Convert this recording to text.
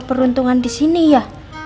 peruntungan di sini ya